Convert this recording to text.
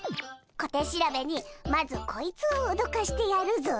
小手調べにまずこいつをおどかしてやるぞ！